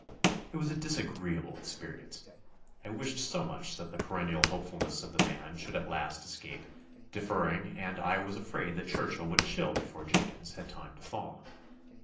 It was a disagreeable experience. I wished so much that the perennial hopefulness of the man should at last escape deferring and I was afraid that Churchill would chill before Jenkins had time to thaw.